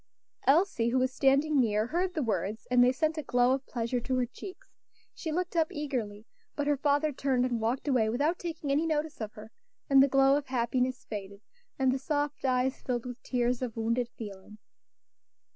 Elsie, who was standing near, heard the words, and they sent a glow of pleasure to her cheeks. She looked up eagerly; but her father turned and walked away without taking any notice of her, and the glow of happiness faded, and the soft eyes filled with tears of wounded feeling.